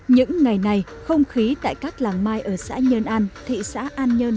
những ngày này không khí tại các làng mai ở xã nhơn an thị xã hà nội